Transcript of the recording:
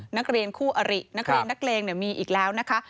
นักเรียนคู่อรินักเรียนนักเลงมีอีกแล้วนะคะ